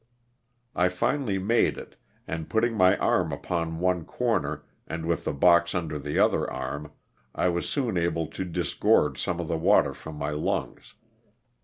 I finally made it and putting my arm upon one corner, and with the box under the other arm, I was soon able to disgorge some of the water from my lungs.